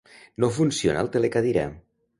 No funciona el telecadira.